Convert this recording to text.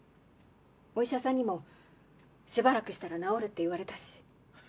お医者さんにもしばらくしたら治るって言われたし。